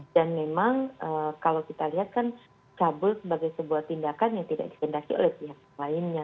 dan memang kalau kita lihat kan cabut sebagai sebuah tindakan yang tidak dikendaki oleh pihak lainnya